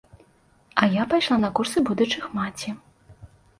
А я пайшла на курсы будучых маці.